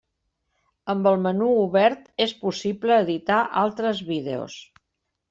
Amb el menú obert és possible editar altres vídeos.